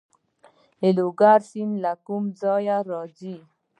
د لوګر سیند له کوم ځای راځي؟